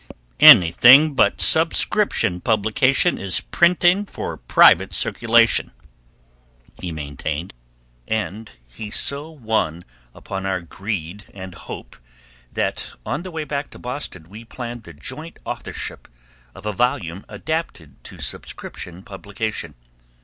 "Anything but subscription publication is printing for private circulation," he maintained, and he so won upon our greed and hope that on the way back to Boston we planned the joint authorship of a volume adapted to subscription publication.